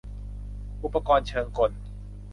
อุปกรณ์เชิงกล